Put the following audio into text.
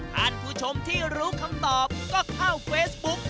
ท่านผู้ชมที่รู้คำตอบก็เข้าเฟซบุ๊ก